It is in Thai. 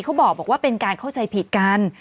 เขาบอกว่าเป็นการเข้าใจผิดกัน